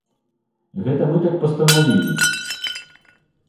Гэта мы так пастанавілі.